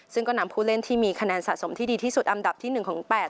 ซึ่งก็นำผู้เล่นที่มีคะแนนสะสมที่ดีที่สุดอันดับที่๑ของ๘